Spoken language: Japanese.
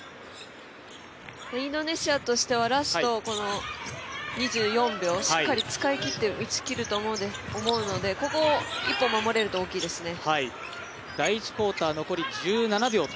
インドネシアとしてはラスト２４秒しっかり使い切って、打ち切ると思うのでここを、１本守れると大きいですね。